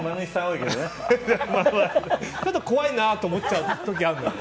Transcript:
ちょっと怖いなと思っちゃう時あるのよ。